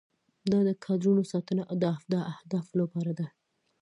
دا د کادرونو ساتنه د اهدافو لپاره ده.